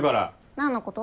何のこと？